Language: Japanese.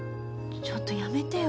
ちょっとやめてよ。